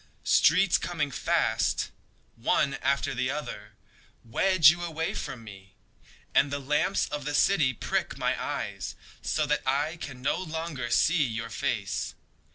Streets coming fast, One after the other, Wedge you away from me, And the lamps of the city prick my eyes So that I can no longer see your face.